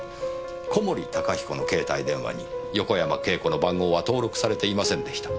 小森高彦の携帯電話に横山慶子の番号は登録されていませんでした。